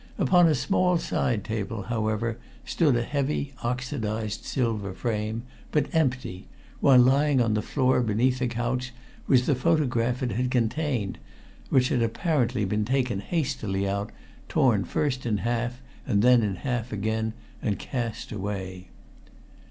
Upon a small side table, however, stood a heavy oxidized silver frame, but empty, while lying on the floor beneath a couch was the photograph it had contained, which had apparently been taken hastily out, torn first in half and then in half again, and cast away.